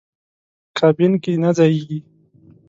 کابین کې نه ځایېږي.